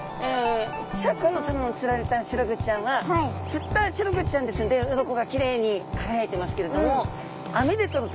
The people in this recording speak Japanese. シャーク香音さまの釣られたシログチちゃんは釣ったシログチちゃんですんで鱗がきれいに輝いてますけれども網でとると。